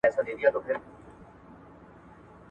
تکوینی پوښتنې تاریخي ریښې لټوي.